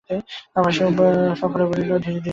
আবার সকলে ধীরে ধীরে উঠিল।